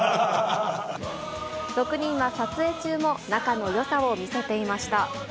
６人は撮影中も仲のよさを見せていました。